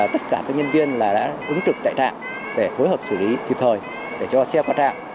tất cả các nhân viên đã ứng trực tại trạm để phối hợp xử lý kịp thời để cho xe qua trạm